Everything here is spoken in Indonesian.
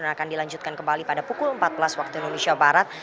dan akan dilanjutkan kembali pada pukul empat belas waktu indonesia barat